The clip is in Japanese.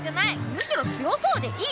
むしろ強そうでいい！